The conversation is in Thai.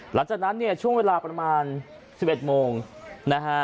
หลังจากนั้นเนี่ยช่วงเวลาประมาณ๑๑โมงนะฮะ